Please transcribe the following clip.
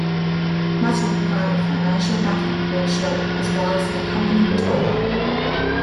Mattel provided financial backing for the show, as well as an accompanying toyline.